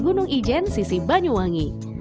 gunung ijen sisi banyuwangi